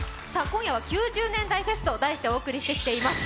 今夜は９０年代フェスと題してお送りしてきています。